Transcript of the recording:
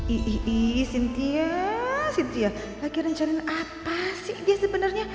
iiih cynthia cynthia lagi rencanin apa sih dia sebenernya